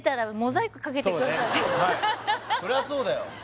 はいそりゃそうだよ